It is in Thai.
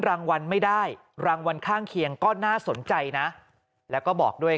รางวัลไม่ได้รางวัลข้างเคียงก็น่าสนใจนะแล้วก็บอกด้วย